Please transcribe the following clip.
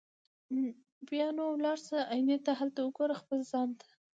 بیا نو ولاړ سه آیینې ته هلته وګوره خپل ځان ته